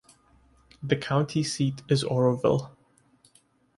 The county seat is Oroville.